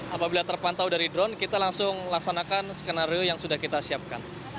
apabila terpantau dari drone kita langsung laksanakan skenario yang sudah kita siapkan